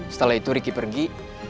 setelah itu riki pergi